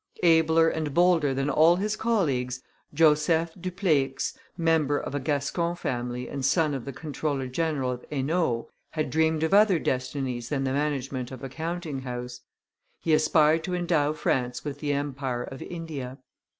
Abler and bolder than all his colleagues, Joseph Dupleix, member of a Gascon family and son of the comptroller general of Hainault, had dreamed of other destinies than the management of a counting house; he aspired to endow France with the empire of India.